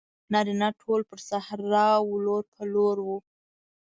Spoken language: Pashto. نارینه ټول پر صحرا وو لور په لور وو.